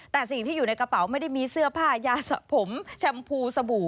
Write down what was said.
แต่สิ่งที่อยู่ในกระเป๋าไม่ได้มีเสื้อผ้ายาสะผมแชมพูสบู่